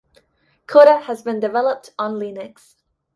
Coda has been developed on Linux.